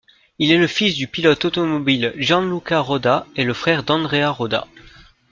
Il est le fils du pilote automobile Gianluca Roda et le frère d'Andrea Roda.